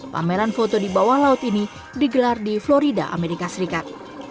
pameran foto di bawah laut ini digelar di florida amerika serikat